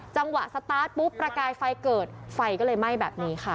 สตาร์ทปุ๊บประกายไฟเกิดไฟก็เลยไหม้แบบนี้ค่ะ